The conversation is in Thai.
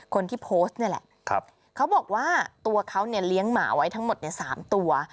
คนที่โพสต์นี่แหละเขาบอกว่าตัวเขาเนี่ยเลี้ยงหมาไว้ทั้งหมด๓ตัว